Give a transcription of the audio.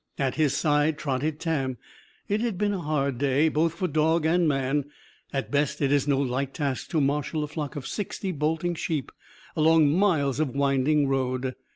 At his side trotted Tam. It had been a hard day, both for dog and man. At best, it is no light task to marshal a flock of sixty bolting sheep along miles of winding road.